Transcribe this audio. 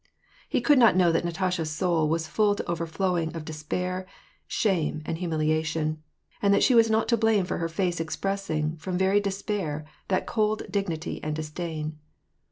He could r not know that Natasha's soul was full to overflowing of de spair, shame, humiliation ; and that she was not to blame for her face expressing, from very despair, that cold dignity and disdain.